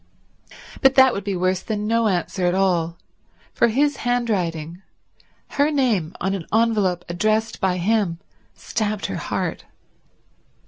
But that would be worse than no answer at all; for his handwriting, her name on an envelope addressed by him, stabbed her heart.